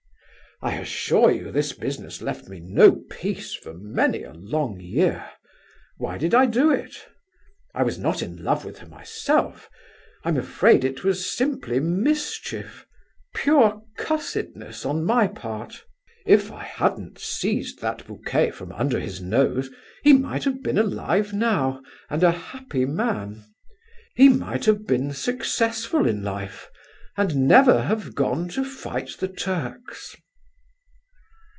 "I assure you this business left me no peace for many a long year. Why did I do it? I was not in love with her myself; I'm afraid it was simply mischief—pure 'cussedness' on my part. "If I hadn't seized that bouquet from under his nose he might have been alive now, and a happy man. He might have been successful in life, and never have gone to fight the Turks."